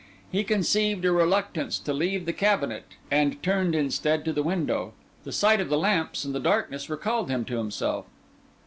He conceived a reluctance to leave the cabinet, and turned instead to the window. The sight of the lamps and the darkness recalled him to himself.